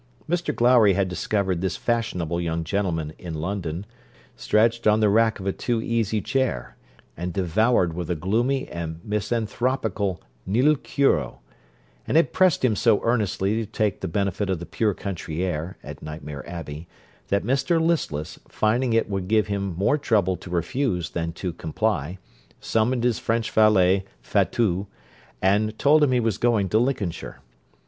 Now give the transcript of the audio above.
Mr Glowry had discovered this fashionable young gentleman in London, 'stretched on the rack of a too easy chair,' and devoured with a gloomy and misanthropical nil curo, and had pressed him so earnestly to take the benefit of the pure country air, at Nightmare Abbey, that Mr Listless, finding it would give him more trouble to refuse than to comply, summoned his French valet, Fatout, and told him he was going to Lincolnshire.